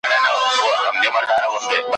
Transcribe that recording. بې نوبتي کوه مُغانه پر ما ښه لګیږي !.